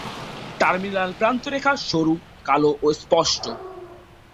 Terminal প্রান্তরেখা সরু, কালো ও স্পষ্ট।